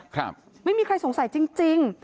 ครับไม่มีใครสงสัยจริงจริง